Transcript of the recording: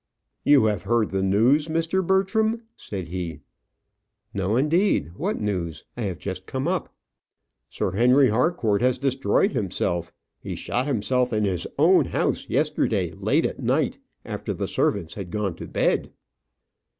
"You have heard the news, Mr. Bertram?" said he. "No, indeed! What news? I have just come up." "Sir Henry Harcourt has destroyed himself. He shot himself in his own house yesterday, late at night, after the servants had gone to bed!"